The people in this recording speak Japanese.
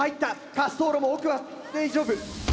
滑走路も奥は大丈夫。